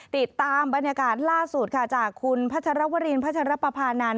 ติดตามบรรยากาศล่าสุดค่ะจากคุณพัชรวรินพัชรปภานันท